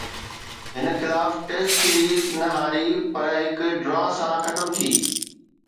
هن خلاف test series نه هاري، پر هڪ ڊرا سان ختم ٿي.